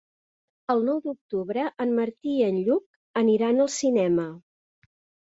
El nou d'octubre en Martí i en Lluc aniran al cinema.